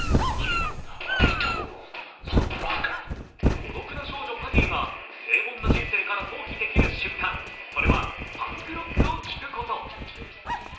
孤独な少女、パティが平凡な人生から逃避できる瞬間、それはパンクロックを聴くこと。